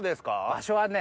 場所はね